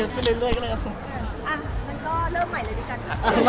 พี่เอ็มเค้าเป็นระบองโรงงานหรือเปลี่ยนไงครับ